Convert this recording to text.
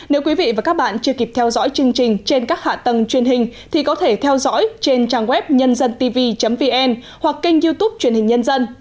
nếu quý vị và các bạn chưa kịp theo dõi chương trình trên các hạ tầng truyền hình thì có thể theo dõi trên trang web nhândântv vn hoặc kênh youtube truyền hình nhân dân